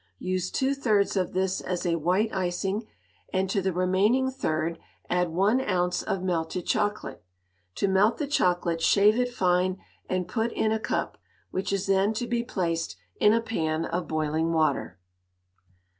Use two thirds of this as a white icing, and to the remaining third add one ounce of melted chocolate. To melt the chocolate, shave it fine and put in a cup, which is then to be placed in a pan of boiling water.